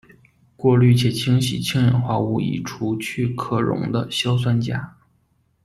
过滤且清洗氢氧化物以除去可溶的硝酸钾。